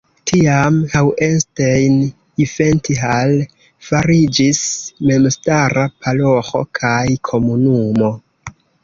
Tiam Hauenstein-Ifenthal fariĝis memstara paroĥo kaj komunumo.